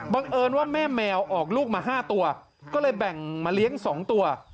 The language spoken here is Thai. เอิญว่าแม่แมวออกลูกมา๕ตัวก็เลยแบ่งมาเลี้ยง๒ตัว